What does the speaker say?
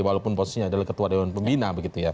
walaupun posisinya adalah ketua dewan pembina